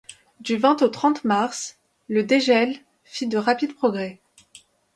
Du vingt au trente mars, le dégel fit de rapides progrès.